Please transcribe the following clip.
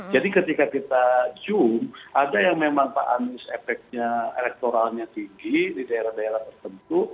jadi ketika kita jum ada yang memang pak anis efeknya elektoralnya tinggi di daerah daerah tertentu